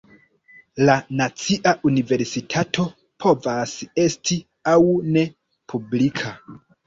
La "nacia universitato" povas esti aŭ ne publika.